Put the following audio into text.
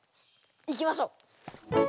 行きましょう。